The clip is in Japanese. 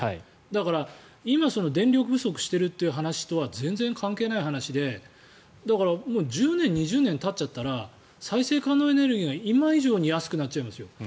だから今電力が不足してるという話とは全然関係ない話で１０年、２０年たっちゃったら再生可能エネルギーが今以上に安くなっちゃいますよ。